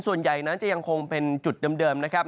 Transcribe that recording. ส่วนใหญ่นั้นจะยังคงเป็นจุดเดิมนะครับ